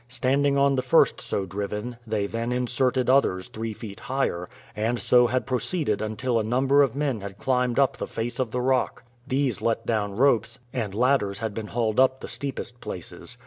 Standing on the first so driven, they then inserted others three feet higher, and so had proceeded until a number of men had climbed up the face of the rock. These let down ropes, and ladders had been hauled up the steepest places.